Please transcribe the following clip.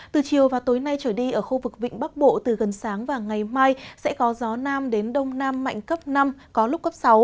từ chiều và tối nay trở đi ở khu vực vịnh bắc bộ từ gần sáng và ngày mai sẽ có gió nam đến đông nam mạnh cấp năm có lúc cấp sáu